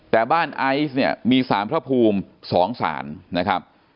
แต่บ้านไอซ์เนี่ยมีสารพระภูมิ๒ศาลนะครับ